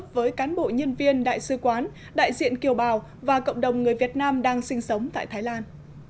với cán bộ nhân viên đại sứ quán đại diện kiều bào và cộng đồng người việt nam đang sinh sống tại thái lan